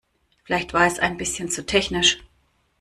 Vielleicht war es ein bisschen zu technisch.